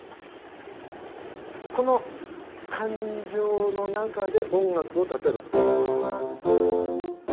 この感情の中で音楽を例えば。